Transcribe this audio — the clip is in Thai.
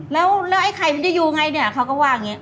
แล้วไอ้ไข่มันจะอยู่ไงเนี่ยเขาก็ว่าอย่างนี้